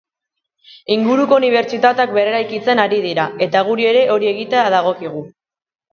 Inguruko unibertsitateak berreraikitzen ari dira, eta geuri ere hori egitea dagokigu.